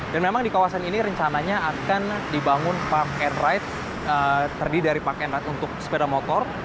dan memang di kawasan ini rencananya akan dibangun park and ride terdiri dari park and ride untuk sepeda motor